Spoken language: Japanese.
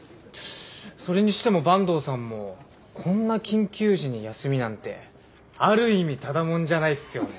それにしても坂東さんもこんな緊急時に休みなんてある意味ただ者じゃないっすよね。